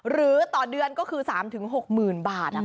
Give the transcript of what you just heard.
หรือต่อเดือนก็คือ๓๖๐๐๐บาท